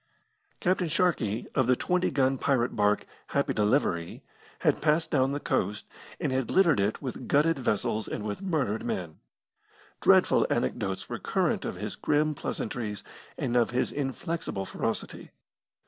Captain Sharkey, of the twenty gun pirate barque, Happy Delivery, had passed down the coast, and had littered it with gutted vessels and with murdered men. Dreadful anecdotes were current of his grim pleasantries and of his inflexible ferocity.